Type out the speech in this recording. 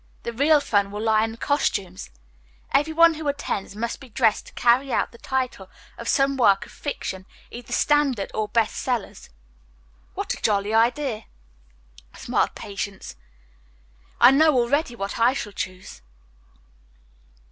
The real fun will lie in the costumes. Every one who attends must be dressed to carry out the title of some work of fiction, either standard or 'best sellers.'" "What a jolly idea," smiled Patience. "I know already what I shall choose."